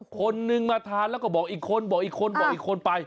คนหนึ่งมาทานแล้วก็บอกอีกคนไป